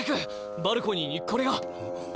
バルコニーにこれが。